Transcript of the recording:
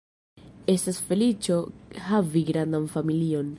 Estas feliĉo havi grandan familion.